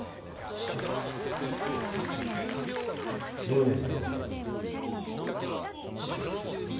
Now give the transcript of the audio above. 無念にございます。